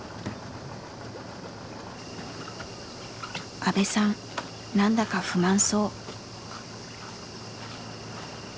阿部さん何だか不満そう。